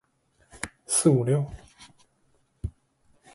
四五六